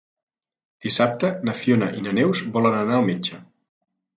Dissabte na Fiona i na Neus volen anar al metge.